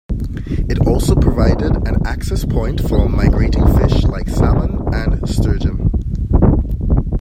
It also provided an access point for migrating fish like salmon and sturgeon.